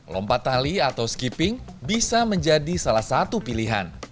lompat tali atau skipping bisa menjadi salah satu pilihan